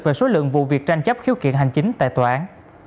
về số lượng vụ việc tranh chấp khiếu kiện hành chính tại tòa án